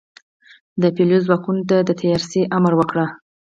د پلیو ځواکونو ته د تیارسئ امر وکړ.